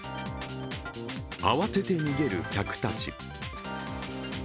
慌てて逃げる客たち。